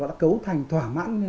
đã cấu thành thỏa mãn